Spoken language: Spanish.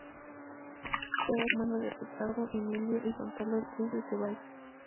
Era hermano de Ricardo, Emilio y Gonzalo Ortiz de Zevallos.